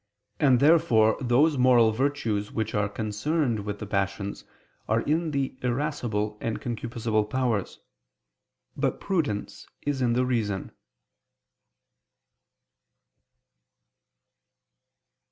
And therefore those moral virtues which are concerned with the passions are in the irascible and concupiscible powers, but prudence is in the reason.